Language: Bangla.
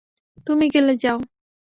তুমি গেলে যাও।